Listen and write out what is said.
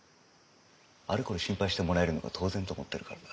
あれこれ心配してもらえるのが当然と思っているからだ。